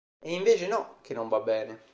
E invece no, che non va bene.